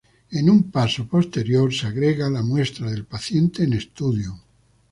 En un paso posterior se agrega la muestra del paciente en estudio.